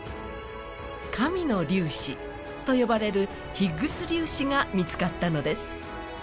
神の粒子と呼ばれるヒッグス粒子が見つかったのです。